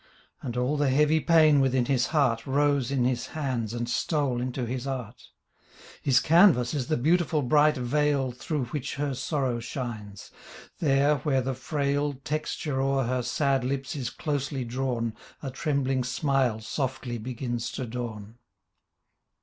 And all the heavy pain within his heart Rose in his hands and stole into his art. His canvas is the beautiful bright veil Through which her sorrow shines. There where the frail Texture o'er her sad lips is closely drawn A trembling smile softly begins to dawn